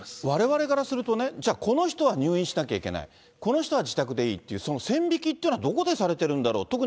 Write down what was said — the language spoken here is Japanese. われわれからすると、じゃあ、この人は入院しなきゃいけない、この人は自宅でいいっていう、その線引きっていうのは、どこでされてるんだろう？